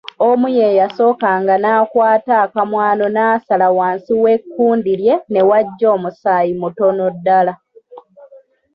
Omu ye yasookanga n’akwata akamwano n’asala wansi w’ekkundi lye ne wajja omusaayi mutono ddala.